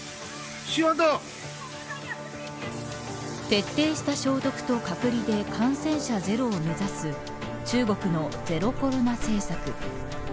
徹底した消毒と隔離で感染者ゼロを目指す中国のゼロコロナ政策。